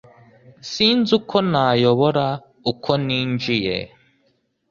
Sinzi uko nayobora uko ninjiye